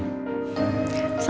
saya mau ngajar